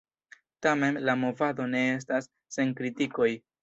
Tamen la movado ne estas sen kritikoj.